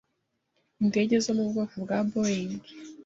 indege zo mu bwoko bwa Boeing